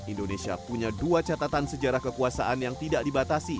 indonesia punya dua catatan sejarah kekuasaan yang tidak dibatasi